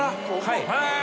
はい。